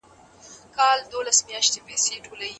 که چا په جوړ حالت کې طلاق ورکړ، څه حکم لري؟